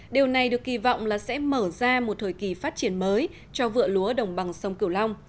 điều này được kỳ vọng là sẽ mở ra một thời kỳ phát triển mới cho vựa lúa đồng bằng sông cửu long